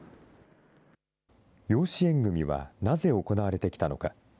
養子縁組はなぜ行われてきたのか。